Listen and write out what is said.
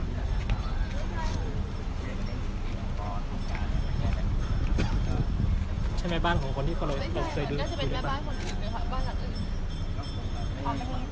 ไม่ใช่นี่คือบ้านของคนที่เคยดื่มอยู่หรือเปล่า